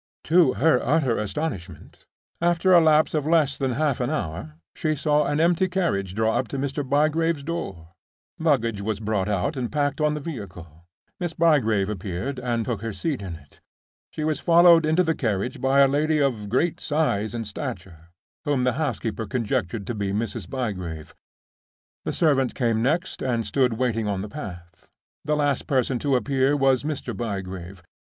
To her utter astonishment, after a lapse of less than half an hour she saw an empty carriage draw up at Mr. Bygrave's door. Luggage was brought out and packed on the vehicle. Miss Bygrave appeared, and took her seat in it. She was followed into the carriage by a lady of great size and stature, whom the housekeeper conjectured to be Mrs. Bygrave. The servant came next, and stood waiting on the path. The last person to appear was Mr. Bygrave.